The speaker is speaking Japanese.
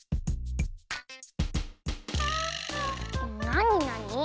なになに？